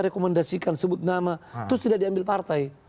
rekomendasikan sebut nama terus tidak diambil partai